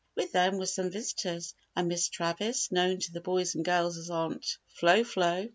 With them were some visitors and Miss Travis, known to the boys and girls as Aunt Flo flo.